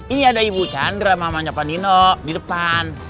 ini ada ibu chandra mamanya pak nino di depan